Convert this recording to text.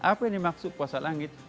apa yang dimaksud puasa langit